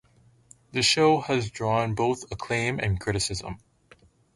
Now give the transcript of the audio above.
The show has drawn both acclaim and criticism.